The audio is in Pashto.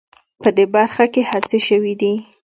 په دې برخه کې هڅې شوې دي